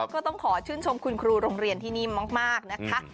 ก็ต้องขอชื่นชมคุณครูโรงเรียนที่นี่มากนะคะ